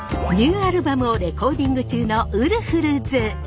ニューアルバムをレコーディング中のウルフルズ。